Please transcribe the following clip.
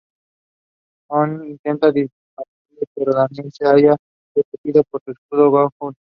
O'Neill intenta dispararle, pero Daniel se halla protegido por un escudo Goa'uld.